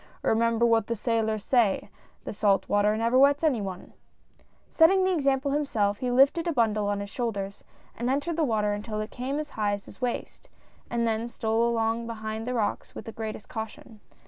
Remember what the sailors say, that salt water never wets any one !" Setting the example himself, he lifted a bundle on his shoulders, and entered the water until it came as high as his waist, and then stole along behind the rocks with the greatest caution.